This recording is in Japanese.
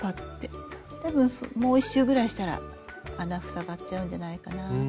多分もう１周ぐらいしたら穴塞がっちゃうんじゃないかな。